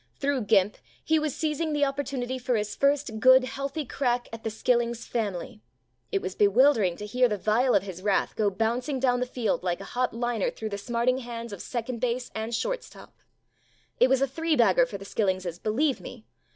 Thru "Gimp" he was seizing the opportunity for his first good healthy crack at the "Skillings" family. It was bewildering to hear the vial of his wrath go bouncing down the field like a hot liner thru the smarting hands of second base and short stop. It was a three bagger for the "Skil lingses," believe me.